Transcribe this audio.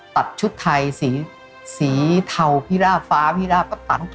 ตัดชุดไทยสีเทาพิราฟาพิราปตัน